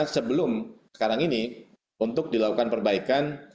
sebelum sekarang ini untuk dilakukan perbaikan